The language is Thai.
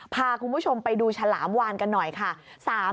พาคุณผู้ชมไปดูฉลามวานกันหน่อยค่ะ